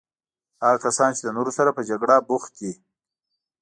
هغه کسان چې د نورو سره په جګړه بوخت دي.